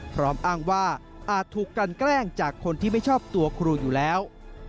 พร้อมอ้างว่าอาจถูกกันแกล้งจากคนที่ไม่ชอบตัวครูอยู่แล้ว